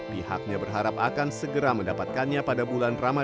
pihaknya berharap akan segera mendapatkannya pada bulan ramadan tahun dua ribu sembilan belas